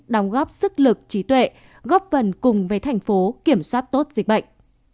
đóng góp sức lực trí tuệ góp vần cùng với thành phố kiểm soát tốt dịch bệnh